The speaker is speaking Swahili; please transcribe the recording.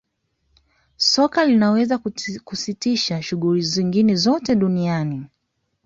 soka linaweza kusitisha shughuli zingine zote duniani